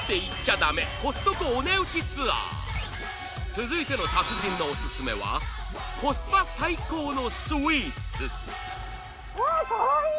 続いての達人のお薦めはコスパ最高のスイーツわぁかわいい！